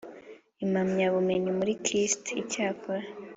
Impamyabumenyi muri kist icyakora